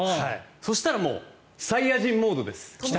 そしたらサイヤ人モードです。